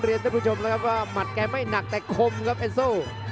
รับทราบทุกชมแล้วก็มัดแก่ไม่หนักแต่คมครับเอ็นโซ